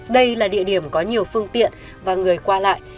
đây là địa điểm có nhiều phương tiện và người qua lại